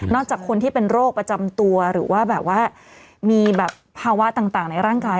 จากคนที่เป็นโรคประจำตัวหรือว่าแบบว่ามีแบบภาวะต่างในร่างกาย